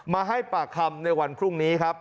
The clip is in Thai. มาให้ปากคำในวันพรุ่งนี้ครับ